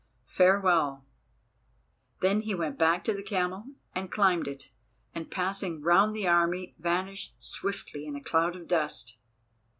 Farewell!" Then he went back to the camel and climbed it, and passing round the army vanished swiftly in a cloud of dust.